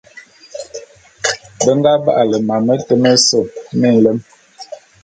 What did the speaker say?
Be nga ba'ale mam mete mese minlem.